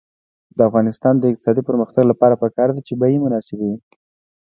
د افغانستان د اقتصادي پرمختګ لپاره پکار ده چې بیې مناسبې وي.